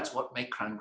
saya suka mengincar